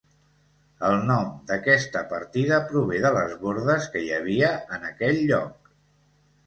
El nom d'aquesta partida prové de les bordes que hi havia en aquell lloc.